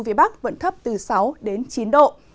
về bắc vẫn thấp từ sáu chín độ